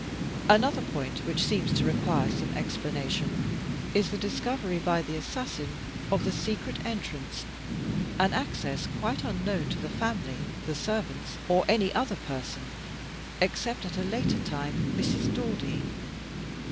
Another point which seems to require some explanation, is the discovery by the assassin of the secret entrance, an access quite unknown to the family, the servants, or any other person, except, at a later time, Mrs. Daldy.